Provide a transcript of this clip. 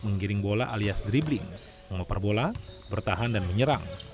menggiring bola alias dribbling memapar bola bertahan dan menyerang